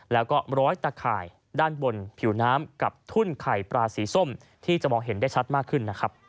แล้วก็ร้อยตะข่ายด้านบนผิวน้ำกับทุ่นไข่ปลาสีส้มที่จะมองเห็นได้ชัดมากขึ้นนะครับ